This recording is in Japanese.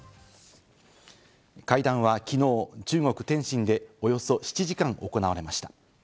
会談は昨日、中国・天津でおよそ７時間行われました。